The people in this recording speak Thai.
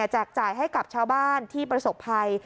จ่ายให้กับชาวบ้านที่ประสบภัย